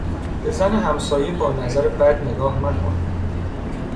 به زن همسایه با نظر بد نگاه مکن!